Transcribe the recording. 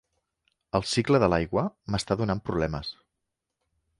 El cicle de l'aigua m'està donant problemes.